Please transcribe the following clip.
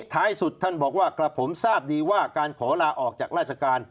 ท้ายสุดท่านบอกว่ากระผมทราบดีว่าการขอลาออกจากราชการ